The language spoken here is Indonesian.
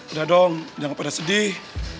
udah dong jangan pada sedih